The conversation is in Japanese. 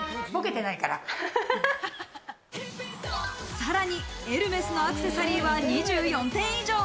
さらにエルメスのアクセサリーは２４点以上。